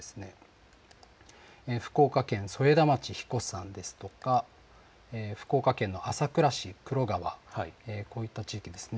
福岡県添田町英彦山ですとか福岡県の朝倉市黒川、こういった地域ですね。